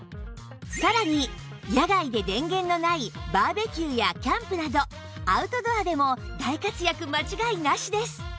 さらに野外で電源のないバーベキューやキャンプなどアウトドアでも大活躍間違いなしです！